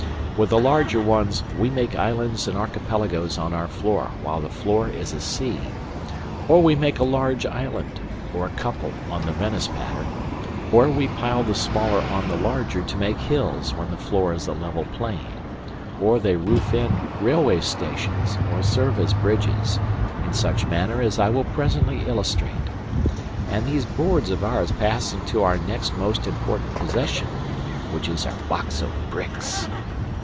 With the larger ones we make islands and archipelagos on our floor while the floor is a sea, or we make a large island or a couple on the Venice pattern, or we pile the smaller on the larger to make hills when the floor is a level plain, or they roof in railway stations or serve as bridges, in such manner as I will presently illustrate. And these boards of ours pass into our next most important possession, which is our box of bricks.